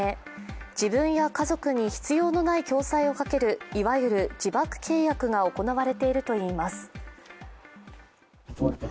自分や家族に必要のない共済をかけるいわゆる自爆契約が行われているといいます。